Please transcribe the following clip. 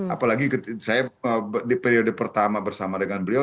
apalagi saya di periode pertama bersama dengan beliau